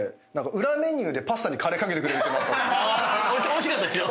おいしかったでしょ？